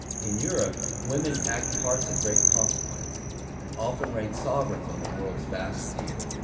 In Europe, women act parts of great consequence, and often reign sovereigns on the world's vast theatre.